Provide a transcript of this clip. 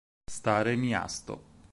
Stare Miasto